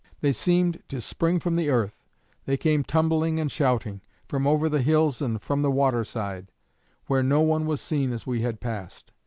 They seemed to spring from the earth. They came tumbling and shouting, from over the hills and from the water side, where no one was seen as we had passed.